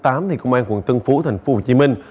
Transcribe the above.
thì công an quận tân phú thành phố hồ chí minh